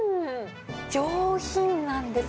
上品なんです。